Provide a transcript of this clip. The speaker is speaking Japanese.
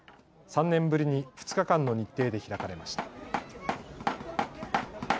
３年ぶりに２日間の日程で開かれました。